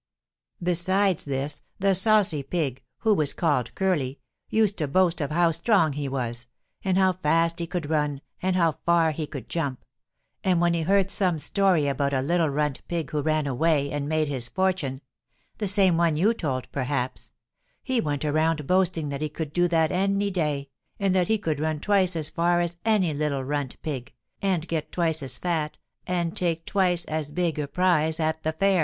"Besides this, the saucy pig, who was called Curly, used to boast of how strong he was, and how fast he could run and how far he could jump, and when he heard some story about a little runt pig who ran away and made his fortune the same one you told, perhaps he went around boasting that he could do that any day, and that he could run twice as far as any little runt pig, and get twice as fat and take twice as big a prize at the fair."